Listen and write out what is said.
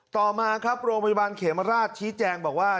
ต่อมาครับโรงพยาบาลเขมราชชี้แจงบอกว่า